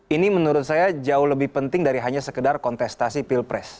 ini menurut saya jauh lebih penting dari hanya sekedar kontestasi pilpres